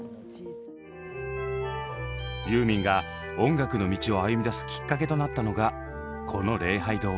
ユーミンが音楽の道を歩みだすきっかけとなったのがこの礼拝堂。